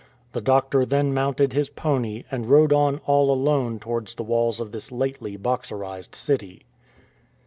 The doctor then mounted his pony, and rode on all alone towards the walls of this lately Boxerised city.